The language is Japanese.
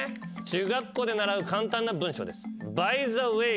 中学校で習う簡単な文章です。